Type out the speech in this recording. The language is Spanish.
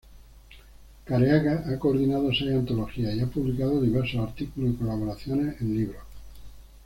Careaga ha coordinado seis antologías y ha publicado diversos artículos y colaboraciones en libros.